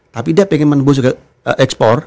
tapi dia pengen menembus ekspor